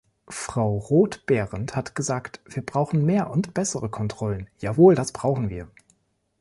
Frau Roth-Behrendt hat gesagt, wir brauchen mehr und bessere Kontrollen jawohl, das brauchen wir!